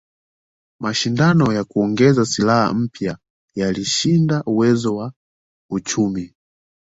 Mashindano ya kuongeza silaha mpya yalishinda uwezo wa uchumi